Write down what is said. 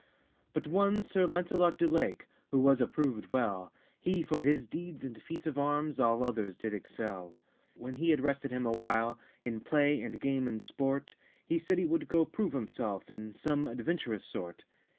But one Sir Lancelot du Lake, Who was approved well, He for his deeds and feats of armes All others did excell. When he had rested him a while, In play, and game, and sportt, He said he wold goe prove himselfe In some adventurous sort.